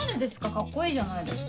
カッコいいじゃないですか。